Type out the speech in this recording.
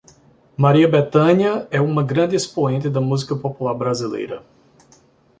Maria Bethânia é uma grande expoente da Música Popular Brasileira